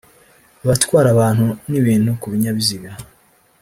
abatwara abantu n’ibintu ku binyabiziga